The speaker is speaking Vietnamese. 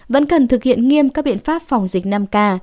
vẫn cần thực hiện nghiêm các biện pháp phòng dịch năm k